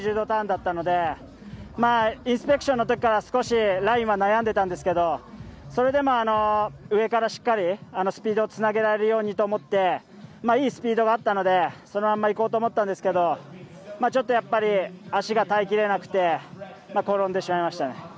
ターンだったのでインスペクションのときから少しラインは悩んでいたんですがそれでも、上からしっかりスピードにつなげられるようにと思っていいスピードがあったのでそのまま行こうと思ったんですがちょっと足が耐え切れなくて転んでしまいましたね。